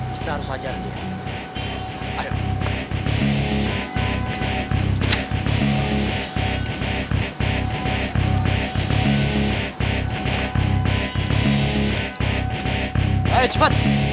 bisa yang lain juga